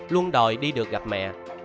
luôn đòi đi được gặp mẹ